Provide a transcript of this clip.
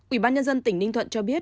ubnd tỉnh ninh thuận cho biết